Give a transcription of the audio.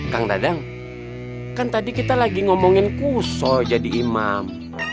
kang dadang kan tadi kita lagi ngomongin kuso jadi imam